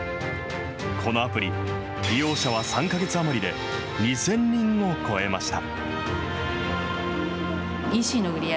このアプリ、利用者は３か月余りで、２０００人を超えました。